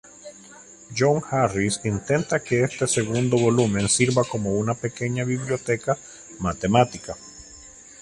John Harris intenta que este segundo volumen sirva como una pequeña biblioteca matemática.